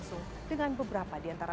saya kan disuruh